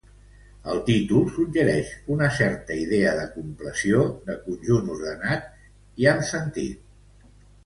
El títol suggereix una certa idea de compleció, de conjunt ordenat i amb sentit.